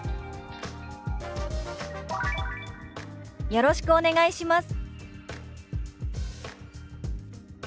「よろしくお願いします」。